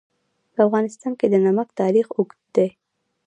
په افغانستان کې د نمک تاریخ اوږد دی.